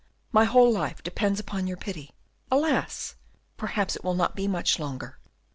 my whole life depends upon your pity. Alas! perhaps it will not be much longer.